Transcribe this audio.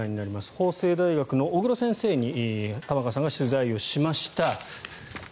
法政大学の小黒先生に玉川さんが取材しました。